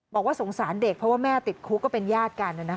บอกว่าสงสารเด็กเพราะว่าแม่ติดคุกก็เป็นญาติกัน